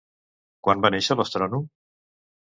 Quan va néixer l'astrònom?